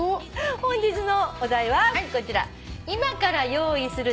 本日のお題はこちら。